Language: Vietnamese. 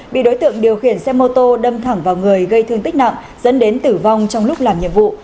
bị đối tượng điều khiển xe mô tô đâm thẳng vào người gây thương tích nặng dẫn đến tử vong trong lúc làm nhiệm vụ